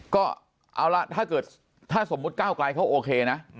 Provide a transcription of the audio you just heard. ก็เอาล่ะถ้าสมมุติก้ากลายเขาโอเคนะ